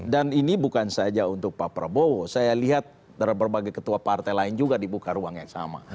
dan ini bukan saja untuk pak prabowo saya lihat dari berbagai ketua partai lain juga dibuka ruang yang sama